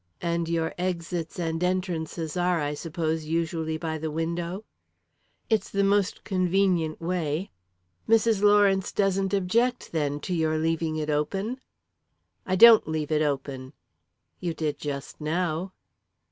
"And your exits and entrances are, I suppose, usually by the window?" "It's the most convenient way." "Mrs. Lawrence doesn't object, then, to your leaving it open?" "I don't leave it open." "You did just now."